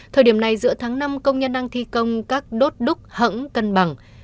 thời điểm này giữa tháng năm công nhân đang thi công các đốt đúc hẳng cân bằng